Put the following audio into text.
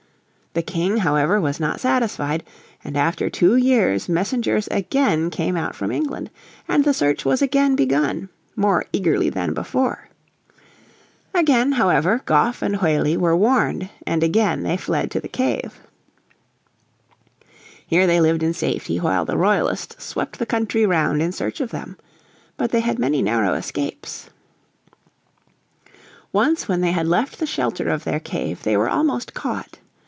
The King, however, was not satisfied, and after two years messengers again came out from England, and the search was again begun, more eagerly than before. Again, however, Goffe and Whalley were warned, and again they fled to the cave. Here they lived in safety while the Royalists swept the country round in search of them. But they had many narrow escapes. Once when they had left the shelter of their cave they were almost caught.